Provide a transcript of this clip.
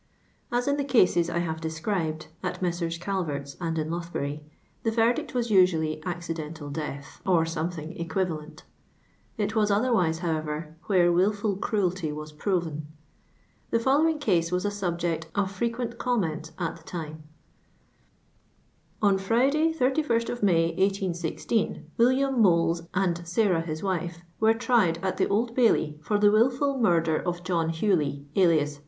As in the cases I have described (at Messrs. CalvertV, and in Lothbury*, the tcrdict was usually " Accidenuil Dciith," or something etjui valent. It WHS otherwise, however, where wilful cruelty was proven. The foUowinu' case was a subject of frequent c iiniiicnt at the timt; : "Oh Vnday, ;jl»i May, 1816, William Moles ami Saraii his wife, wer«; tried at the Old Bailey for the wilful murder of John Ilewley, alias Ha.?"'